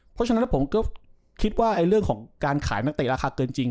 เพราะฉะนั้นผมก็คิดว่าเรื่องของการขายนักเตะราคาเกินจริง